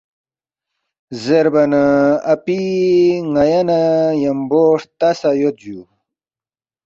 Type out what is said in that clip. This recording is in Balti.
زیربا نہ ”اپی ن٘یا نہ ن٘یمبو ہرتا سہ یود جُو